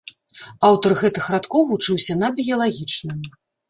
Аўтар гэтых радкоў вучыўся на біялагічным.